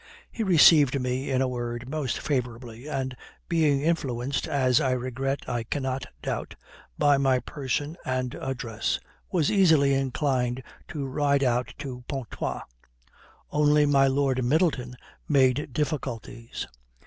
He received me, in a word, most favourably, and being influenced, as I regret I cannot doubt, by my person and address, was easily inclined to ride out to Pontoise. Only my Lord Middleton made difficulties.